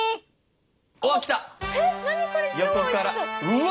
うわ！